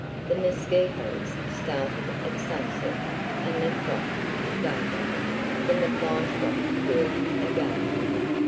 The mosquitoes started at sunset and left off at daybreak, when the flies got to work again.